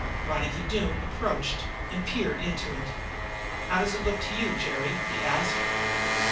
Ronicky Doone approached and peered into it. "How does it look to you, Jerry?" he asked.